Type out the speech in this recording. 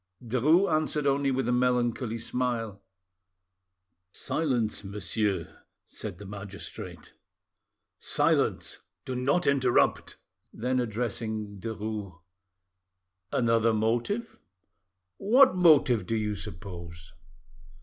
Derues answered only with a melancholy smile. "Silence, monsieur," said the magistrate, "silence; do not interrupt." Then addressing Derues— "Another motive? What motive do you suppose?"